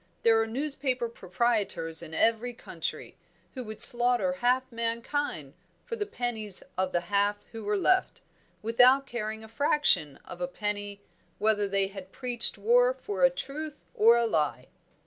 There are newspaper proprietors in every country, who would slaughter half mankind for the pennies of the half who were left, without caring a fraction of a penny whether they had preached war for a truth or a lie."